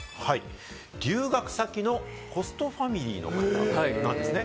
留学先のホストファミリーの方なんですね。